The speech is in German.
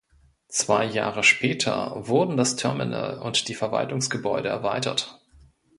Zwei Jahre später wurden das Terminal und die Verwaltungsgebäude erweitert.